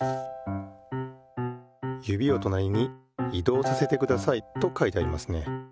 「指をとなりに移動させてください」と書いてありますね。